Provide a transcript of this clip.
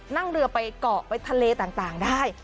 นั่งเรือไปเกาะไปทะเลต่างได้